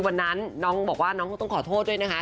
วันนั้นน้องบอกว่าน้องก็ต้องขอโทษด้วยนะคะ